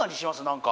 何か。